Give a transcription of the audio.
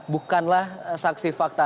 bukanlah saksi fakta